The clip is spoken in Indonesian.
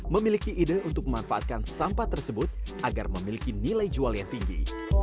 memiliki ide untuk memanfaatkan sampah tersebut agar memiliki nilai jual yang tinggi